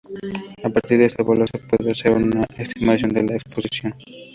A partir de este valor se puede hacer una estimación de la exposición.